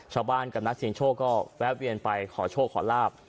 ชาวบ้านกับนักเสียงโชคก็แวะเวียนไปขอโชคขอลาบ